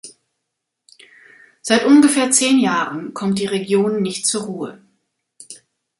Seit ungefähr zehn Jahren kommt die Region nicht zur Ruhe.